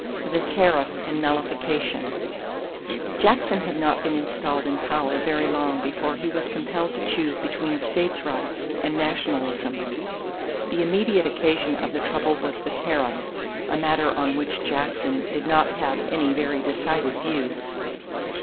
=The Tariff and Nullification.= Jackson had not been installed in power very long before he was compelled to choose between states' rights and nationalism. The immediate occasion of the trouble was the tariff a matter on which Jackson did not have any very decided views.